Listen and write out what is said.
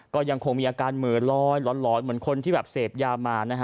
ก็ยังคงมีอาการมือล้อยร้อนเหมือนคนที่เสพยามา